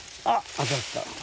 当たった。